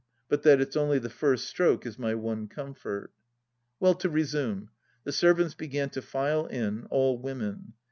... But that it's only the first stroke is my one com fort. Well, to resume. The servants began to file in — all women.